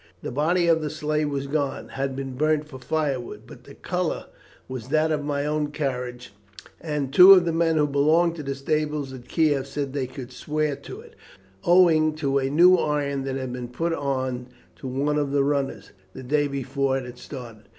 The body of the sleigh was gone had been burnt for firewood; but the colour was that of my own carriage, and two of the men who belonged to the stables at Kieff said that they could swear to it, owing to a new iron that had been put on to one of the runners the day before it had started.